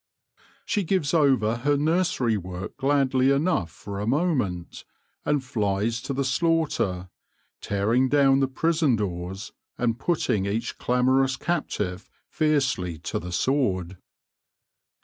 She gives over her nursery work gladly enough for a moment, and flies to the slaughter, tearing down the prison doors, and putting each clamorous captive fiercely to the sword.